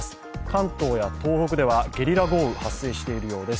関東や東北ではゲリラ豪雨発生しているようです。